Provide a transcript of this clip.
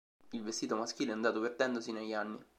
Il vestito maschile è andato perdendosi negli anni.